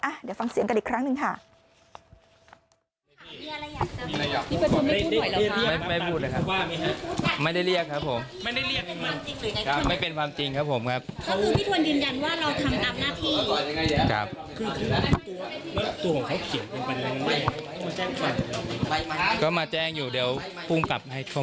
เดี๋ยวฟังเสียงกันอีกครั้งหนึ่งค่ะ